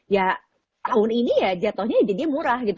ya tahun ini ya jatuhnya jadinya murah gitu